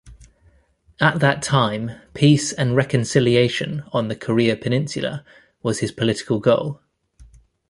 At that time peace and reconciliation on the Korea peninsula was his political goal.